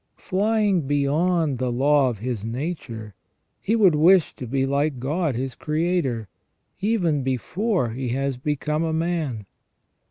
Flying beyond the law of his nature, he would wish to be like God his Creator even before he has become a man.